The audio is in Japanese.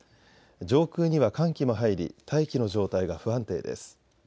上空には寒気も入り大気の状態が不安定です。